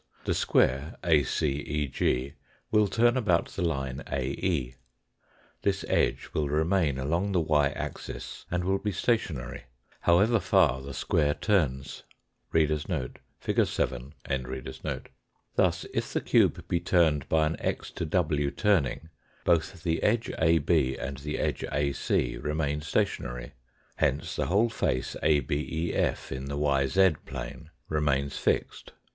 The square ACEG will turn about the line AE. This edge will remain along the y axis and will be stationary, however far the square turns. BECAPITULAT10N AND EXTENSION 213 Thus, if the cube be turned by an x to w turning, both the edge AB and the edge AC remain stationary ; hence the whole face ABEF in the yz plane remains fixed.